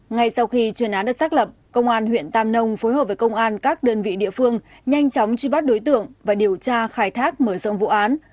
ngay sau khi chuyên án được xác lập công an huyện tam nông phối hợp với công an các đơn vị địa phương nhanh chóng truy bắt đối tượng và điều tra khai thác mở rộng vụ án